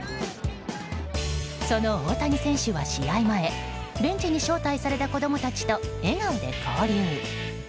その大谷選手は試合前ベンチに招待された子供たちと笑顔で交流。